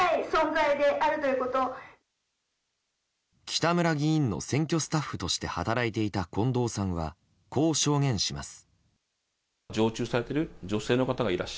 北村議員の選挙スタッフとして働いていた近藤さんはこう証言します。